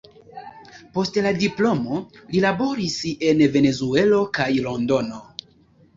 Post la diplomo li laboris en Venezuelo kaj Londono.